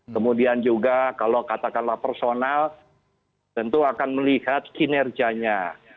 kemudian juga kalau katakanlah personal tentu akan melihat kinerjanya